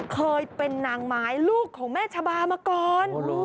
เคยเป็นนางไม้ลูกของแม่ชะบามาก่อน